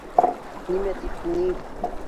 Нимә тип ни...